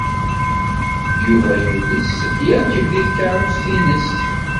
Yuba yules yerkeb deg tkeṛṛust-nnes.